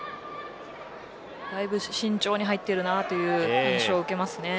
だいぶ慎重に入っている印象を受けます。